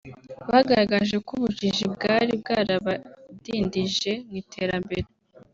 bagaragaje ko ubujiji bwari bwarabadindije mu iterambere